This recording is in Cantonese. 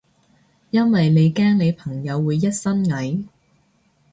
因為你驚你朋友會一身蟻？